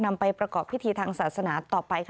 นำไปประกอบพิธีทางศาสนาต่อไปค่ะ